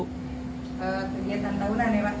kegiatan tahunan ya mas